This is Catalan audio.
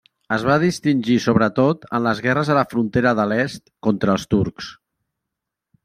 Es va distingir sobretot en les guerres a la frontera de l'est contra els turcs.